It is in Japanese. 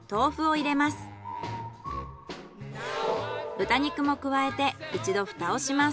豚肉も加えて一度蓋をします。